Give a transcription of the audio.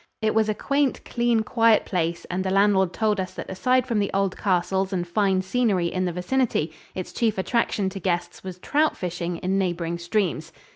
It was a quaint, clean, quiet place, and the landlord told us that aside from the old castles and fine scenery in the vicinity, its chief attraction to guests was trout fishing in neighboring streams.